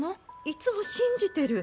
いつも信じてる。